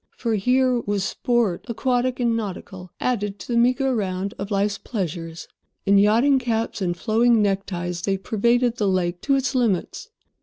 For, here was sport, aquatic and nautical, added to the meagre round of life's pleasures. In yachting caps and flowing neckties they pervaded the lake to its limits.